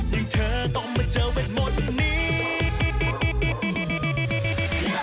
ยังเธอต้องมาเจอแม่นมนต์นี้